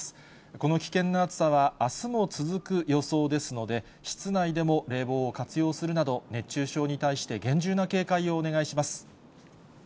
この危険な暑さはあすも続く予想ですので、室内でも冷房を活用するなど、熱中症に対して厳重な警戒をお願いします。